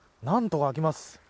何とか開きます。